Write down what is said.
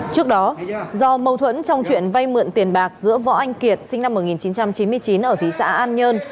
trước đó do mâu thuẫn trong chuyện vay mượn tiền bạc giữa võ anh kiệt sinh năm một nghìn chín trăm chín mươi chín ở thị xã an nhơn